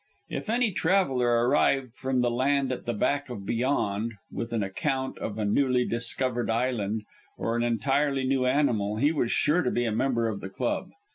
If any traveller arrived from the Land at the Back of Beyond with an account of a newly discovered island, or an entirely new animal, he was sure to be a member of the club.